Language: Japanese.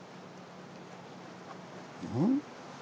うん？